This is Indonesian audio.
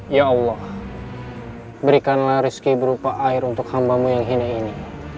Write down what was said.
ya allah berikanlah rezeki berupa air untuk hambamu yang hina ini